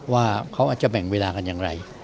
ว่าเขาอาจจะแบ่งเวลากันอย่างไร